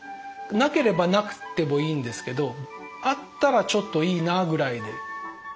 なければなくてもいいんですけどあったらちょっといいなぐらいで。